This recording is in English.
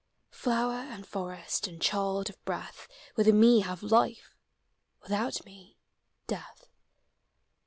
Flower and forest and child of breath THE 8E 1. 421 With me have life— without me, death.